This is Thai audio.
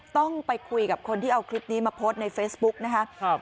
ต้องไปคุยกับคนที่เอาคลิปนี้มาโพสต์ในเฟซบุ๊กนะครับ